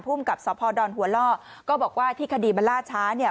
ผู้มกับสดหัวล่อก็บอกว่าที่คดีมาล่าช้าเนี่ย